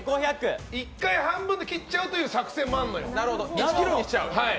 １回半分に切っちゃうという作戦もあるのよ。